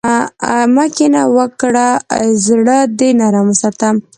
مه کینه وکړه، زړۀ دې نرم وساته.